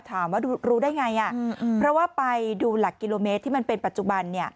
ถามว่ารู้ได้ไงเพราะว่าไปดูหลักกิโลเมตรที่มันเป็นปัจจุบัน